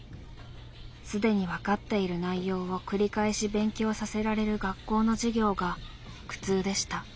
既に分かっている内容を繰り返し勉強させられる学校の授業が苦痛でした。